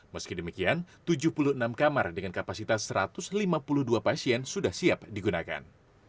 meski demikian tujuh puluh enam kamar dengan kapasitas satu ratus lima puluh dua pasien sudah siap digunakan